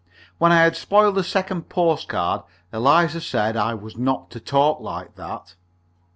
When I had spoiled the second postcard, Eliza said I was not to talk like that.